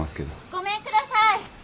・ごめんください！